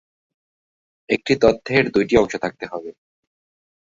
একটি তথ্যের দুইটি অংশ থাকতে হবে।